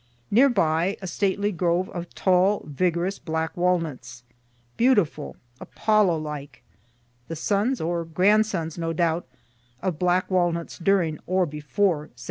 Near by, a stately grove of tall, vigorous black walnuts, beautiful, Apollo like, the sons or grandsons, no doubt, of black walnuts during or before 1776.